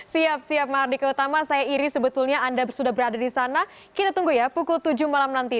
siap siap mardika utama saya iri sebetulnya anda sudah berada di sana kita tunggu ya pukul tujuh malam nanti